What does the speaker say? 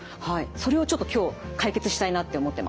それをちょっと今日解決したいなって思ってます。